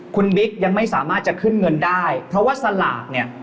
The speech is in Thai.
คุณบิ๊กยังไม่สามารถจะขึ้นเงินได้เพราะว่าสลากเนี่ย